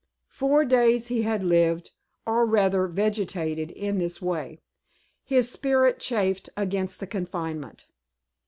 Four days he had lived, or rather vegetated in this way. His spirit chafed against the confinement.